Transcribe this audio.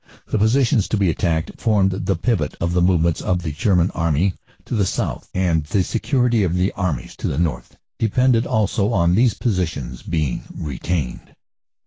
The positions to be attacked formed the pivot of the movements of the German Army to the south, and the security of the Armies to the north depended also on these positions being retained.